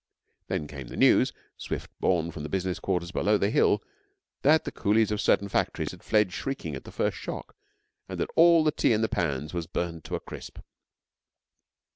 Then came the news, swift borne from the business quarters below the hill, that the coolies of certain factories had fled shrieking at the first shock, and that all the tea in the pans was burned to a crisp.